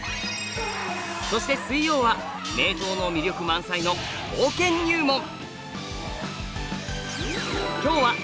そして水曜は名刀の魅力満載の刀剣入門。